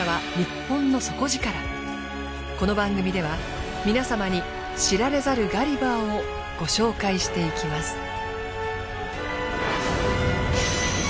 この番組では皆様に知られざるガリバーをご紹介していきます。